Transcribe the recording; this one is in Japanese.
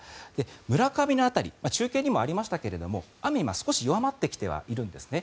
村上の辺り中継にもありましたが雨、今は少し弱まってきてはいるんですね。